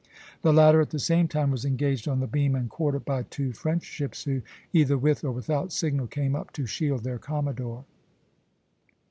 The latter at the same time was engaged on the beam and quarter by two French ships, who, either with or without signal, came up to shield their commodore.